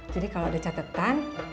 jadi kalau ada catatan